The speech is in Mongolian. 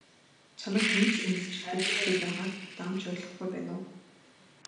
Чамайг хэн ч үнэлж үзэхгүй байгааг даанч ойлгохгүй байна уу?